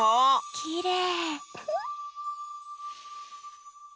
きれい。